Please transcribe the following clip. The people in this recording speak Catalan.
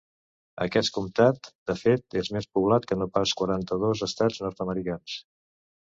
Aquest comtat, de fet, és més poblat que no pas quaranta-dos estats nord-americans.